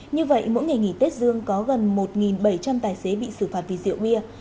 như vậy mỗi ngày nghỉ tết dương có gần một bảy trăm linh tài xế bị xử phạt vì rượu bia